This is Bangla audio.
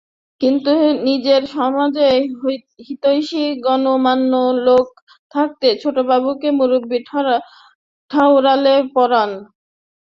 কিন্তু নিজের সমাজে হিতৈষী গণ্যমান্য লোক থাকতে ছোটবাবুকে মুরুবিব ঠাওরালে পরাণ?